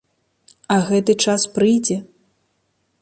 А гэты час прыйдзе!